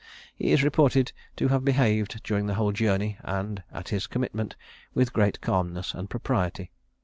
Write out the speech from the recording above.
He is reported to have behaved, during the whole journey and at his commitment, with great calmness and propriety.